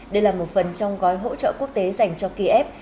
đây là một phần trong gói hỗ trợ quốc tế dành cho kiev